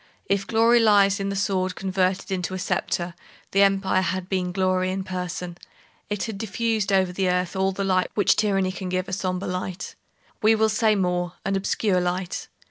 If glory lies in the sword converted into a sceptre, the Empire had been glory in person. It had diffused over the earth all the light which tyranny can give—a sombre light. We will say more; an obscure light.